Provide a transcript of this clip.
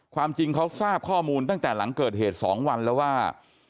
ความจริงเขาทราบข้อมูลตั้งแต่หลังเกิดเหตุ๒วันแล้วว่า